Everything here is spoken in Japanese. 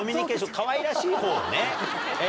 かわいらしいほうね。